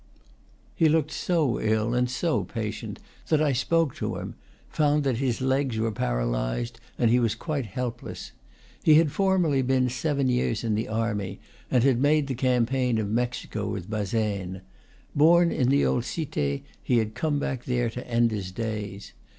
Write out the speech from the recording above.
He looked so ill and so patient that I spoke to him; found that his legs were paralyzed and he was quite helpless. He had formerly been seven years in the army, and had made the campaign of Mexico with Bazaine. Born in the old Cite, he had come back there to end his days.